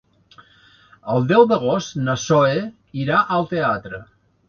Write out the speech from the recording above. El deu d'agost na Zoè irà al teatre.